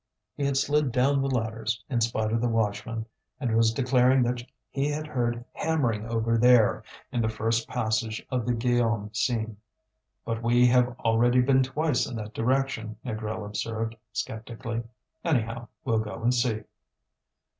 He had slid down the ladders, in spite of the watchman, and was declaring that he had heard hammering over there, in the first passage of the Guillaume seam. "But we have already been twice in that direction," Négrel observed, sceptically. "Anyhow, we'll go and see."